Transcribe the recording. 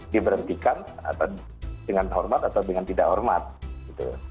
diberhentikan dengan hormat atau dengan tidak hormat gitu